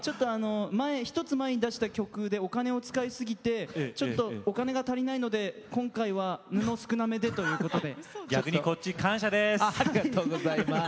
少し前の出した歌でお金を使いすぎてお金が足りないので今回は布が少なめということです。